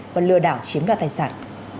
và lừa đảo chiếm đoạt tài sản